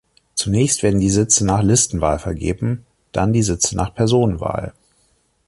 Zunächst werden die Sitze nach Listenwahl vergeben, dann die Sitze nach Personenwahl.